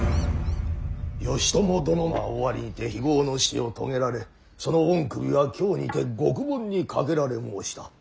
義朝殿は尾張にて非業の死を遂げられその御首は京にて獄門にかけられ申した。